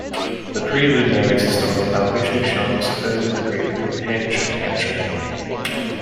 The prelude narrates the story of how Vishnu Sharma supposedly created the "Panchatantra".